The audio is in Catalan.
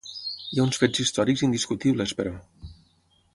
Hi ha uns fets històrics indiscutibles, però.